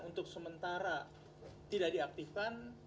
untuk sementara tidak diaktifkan